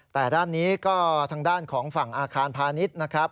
แต่ด้านนี้ก็ทางด้านของฝั่งอาคารพาณิชย์นะครับ